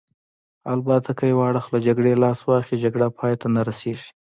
البته که یو اړخ له جګړې لاس واخلي، جګړه پای ته نه رسېږي.